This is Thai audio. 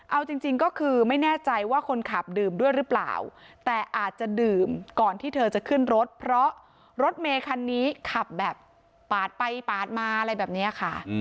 เอาจริงจริงก็คือไม่แน่ใจว่าคนขับดื่มด้วยหรือเปล่าแต่อาจจะดื่มก่อนที่เธอจะขึ้นรถเพราะ